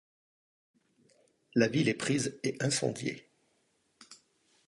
La ville est prise et incendiée.